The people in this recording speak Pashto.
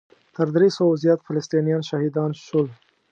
تر درې سوو زیات فلسطینیان شهیدان شول.